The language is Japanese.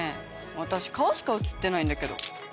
私顔しか写ってないんだけど。